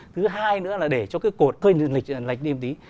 thứ hai nữa là để cho cái cột hơi lệch đi một tí